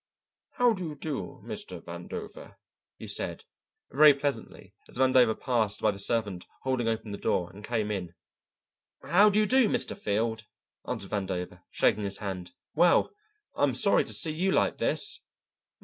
"How do you do, Mr. Vandover?" he said, very pleasantly as Vandover passed by the servant holding open the door and came in. "How do you do, Mr. Field?" answered Vandover, shaking his hand. "Well, I'm sorry to see you like this."